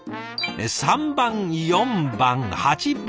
３番４番８番。